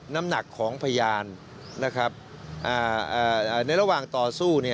น้ำหนักของพยานนะครับในระหว่างต่อสู้